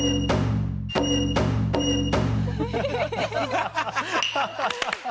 ハハハハハ。